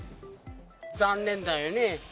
残念だよね。